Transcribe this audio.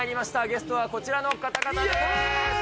ゲストはこちらの方々です。